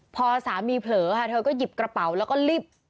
พอสามีเผลอค่ะเธอก็หยิบกระเป๋าแล้วก็รีบ